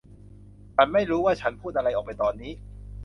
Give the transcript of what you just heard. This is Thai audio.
ฉันไม่รู้ว่าฉันพูดอะไรออกไปตอนนี้